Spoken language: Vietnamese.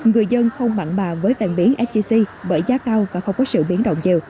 người dân không mặn bà với vàng biến sjc bởi giá cao và không có sự biến động nhiều